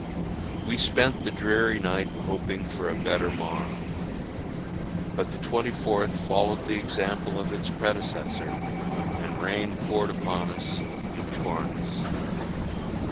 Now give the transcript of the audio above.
We spent the dreary night hoping for a better morrow. But the twenty fourth followed the example of its predecessor, and rain poured upon us in torrents.